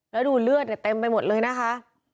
แล้วดูเลือดเนี่ยเต็มไปหมดเลยนะคะ